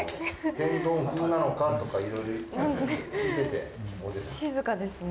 天丼風なのかとかいろいろ言ってて。